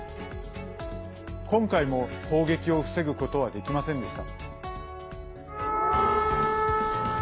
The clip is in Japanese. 今回も攻撃を防ぐことはできませんでした。